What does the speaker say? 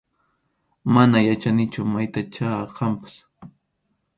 Mana yachanichu maytachá kanpas.